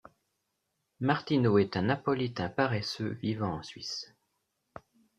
Martino est un Napolitain paresseux vivant en Suisse.